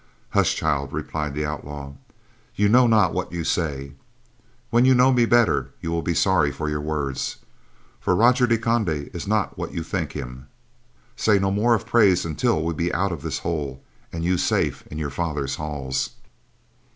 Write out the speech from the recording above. "Hush, child," replied the outlaw. "You know not what you say. When you know me better, you will be sorry for your words, for Roger de Conde is not what you think him. So say no more of praise until we be out of this hole, and you safe in your father's halls."